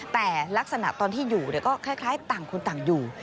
แต่ลักษณะตอนที่อยู่ก็คล้ายต่างคนต่างอยู่